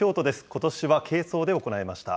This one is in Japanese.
ことしは軽装で行いました。